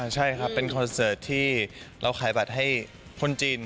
ใช่ครับเป็นคอนเสิร์ตที่เราขายบัตรให้คนจีน